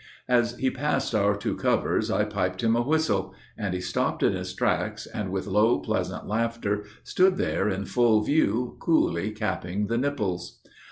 As he passed our two covers I piped him a whistle; And he stopped in his tracks, and with low, pleasant laughter, Stood there in full view coolly capping the nipples.